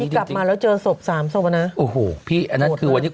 กลับมาแล้วเจอศพสามศพอ่ะนะโอ้โหพี่อันนั้นคือวันนี้